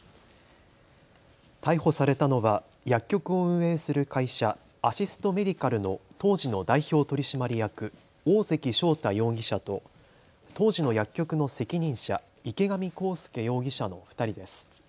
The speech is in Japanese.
逮捕されたのは薬局を運営する会社、Ａｓｓｉｓｔ・Ｍｅｄｅｉｃａｌの当時の代表取締役、大関翔太容疑者と当時の薬局の責任者、池上康祐容疑者の２人です。